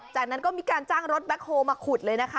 จากนั้นก็มีการจ้างรถแบ็คโฮลมาขุดเลยนะคะ